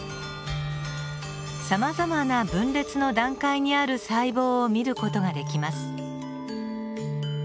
さまざまな分裂の段階にある細胞を見る事ができます。